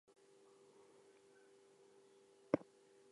It aims to be the first resource on polio and post polio syndrome.